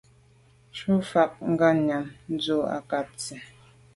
Ntshùa mfà ngabnyàm ndù a kag nsi,